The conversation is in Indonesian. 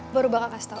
baru bakal kasih tau